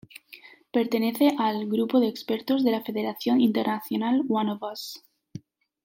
Pertenece al "Grupo de Expertos" de la Federación Internacional One Of Us.